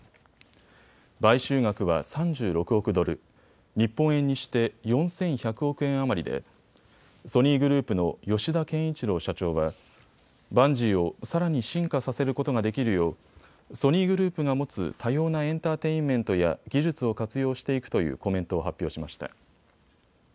買収額は３６億ドル、日本円にして４１００億円余りでソニーグループの吉田憲一郎社長はバンジーをさらに進化させることができるようソニーグループが持つ多様なエンターテインメントや技術を活用していくというコメントを発表しました。